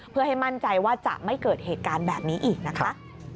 เพื่อให้มั่นใจว่าจะไม่เกิดเหตุการณ์แบบนี้อีกนะคะ